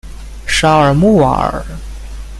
沙尔穆瓦尔。